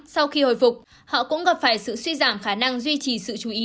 sau khi hồi phục họ cũng gặp phải sự suy giảm khả năng duy trì sự chú ý